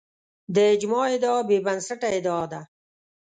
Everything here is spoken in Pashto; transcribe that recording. د اجماع ادعا بې بنسټه ادعا ده